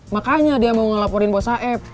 makanya dia mau ngelaporin bos aeb